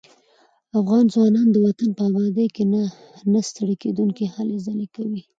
افغان ځوانان د وطن په ابادۍ کې نه ستړي کېدونکي هلې ځلې کوي.